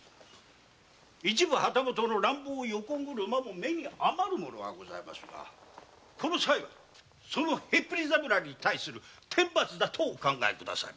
一部旗本の乱暴横車も目にあまるものがございますがこのさいはその腰抜け侍に対する天罰だとお考え下さい。